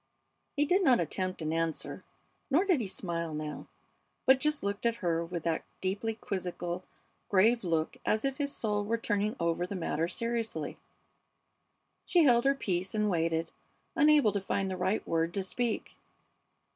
He did not attempt an answer, nor did he smile now, but just looked at her with that deeply quizzical, grave look as if his soul were turning over the matter seriously. She held her peace and waited, unable to find the right word to speak.